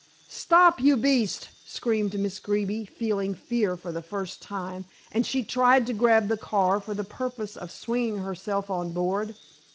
"Stop, you beast!" screamed Miss Greeby, feeling fear for the first time, and she tried to grab the car for the purpose of swinging herself on board.